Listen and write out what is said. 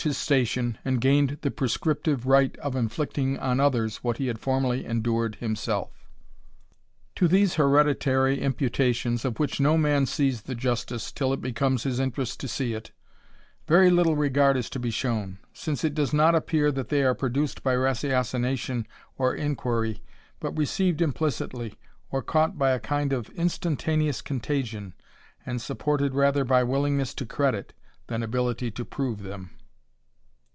his station, and gained the prescriptive right of inflicting on others what he had formeriy endured himself. To these hereditary imputations, of which no man sees the justice, till it becomes his interest to see it, very little regard is to be shown ; since it does not appear that they are produced by ratiocination or inquiry, but received implicitly, or caught by a kind of instantaneous contagion, and supported rather by willingness to credit, than lability to prove, them.